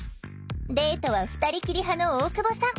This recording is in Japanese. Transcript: デートは２人きり派の大久保さん。